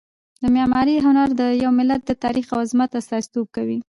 د معمارۍ هنر د یو ملت د تاریخ او عظمت استازیتوب کوي.